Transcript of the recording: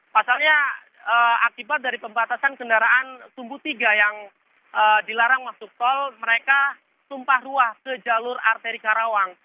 pasalnya akibat dari pembatasan kendaraan tumbuh tiga yang dilarang masuk tol mereka tumpah ruah ke jalur arteri karawang